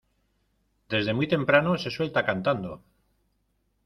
Desde muy temprano se suelta cantando.